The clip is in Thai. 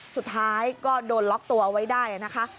สุดท้ายก็โดนล็อกตัวเอาไว้ได้นะคะ